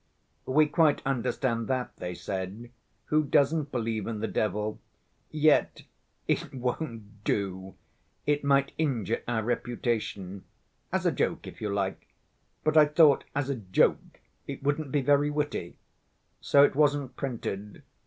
'We quite understand that,' they said. 'Who doesn't believe in the devil? Yet it won't do, it might injure our reputation. As a joke, if you like.' But I thought as a joke it wouldn't be very witty. So it wasn't printed.